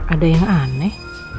ada yang aneh